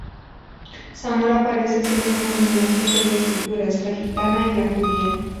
Zamora parece ser una combinación de dos culturas; la gitana y la judía.